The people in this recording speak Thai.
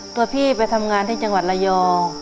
ตัวพี่ไปทำงานที่จังหวัดระยอง